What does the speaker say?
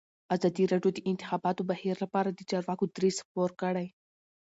ازادي راډیو د د انتخاباتو بهیر لپاره د چارواکو دریځ خپور کړی.